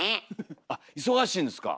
あっ忙しいんですか。